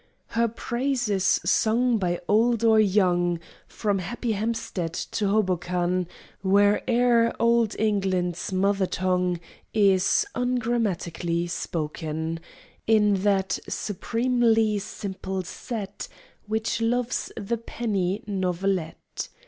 Her praise is sung by old or young, From Happy Hampstead to Hoboken, Where'er old England's mother tongue Is (ungrammatically) spoken: In that supremely simple set Which loves the penny novelette.